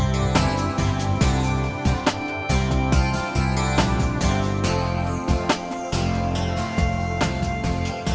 ขอบคุณทุกคนที่ชาลีมากเลยนะคะ